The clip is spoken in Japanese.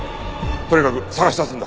とにかく捜し出すんだ！